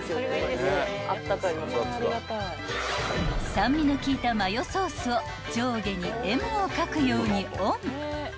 ［酸味の効いたマヨソースを上下にＭを書くようにオン］